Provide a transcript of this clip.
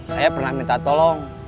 saya pernah minta tolong